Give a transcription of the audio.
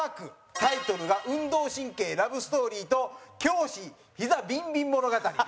タイトルが『運動神経ラブストーリー』と『教師ヒザびんびん物語』。